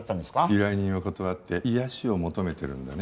依頼人を断って癒やしを求めてるんだね？